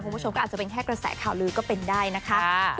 คุณผู้ชมก็อาจจะเป็นแค่กระแสข่าวลือก็เป็นได้นะคะ